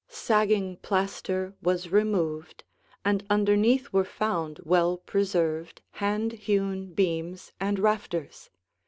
Sagging plaster was removed, and underneath were found well preserved, hand hewn beams and rafters.